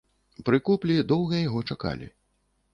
Пры куплі доўга яго чакалі.